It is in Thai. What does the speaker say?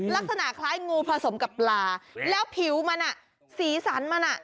ลักษณะคล้ายงูผสมกับปลาแล้วผิวมันอ่ะสีสันมันอ่ะ